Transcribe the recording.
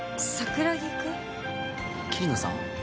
桐野さん？